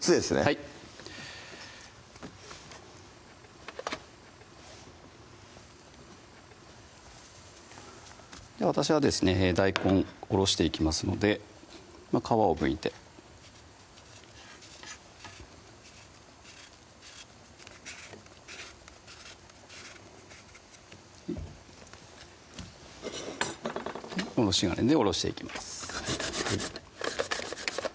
はい私はですね大根おろしていきますので皮をむいてはいおろし金でおろしていきます